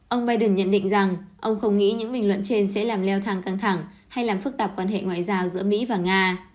ông biden nhận định rằng ông không nghĩ những bình luận trên sẽ làm leo thang căng thẳng hay làm phức tạp quan hệ ngoại giao giữa mỹ và nga